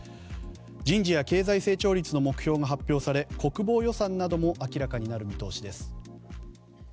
人事や経済成長率の目標が発表され国防予算なども明らかになる見通しです。